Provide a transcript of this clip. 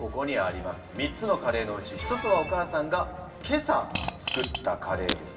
３つのカレーのうち１つはお母さんが今朝作ったカレーです。